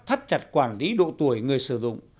thắt chặt quản lý độ tuổi người sử dụng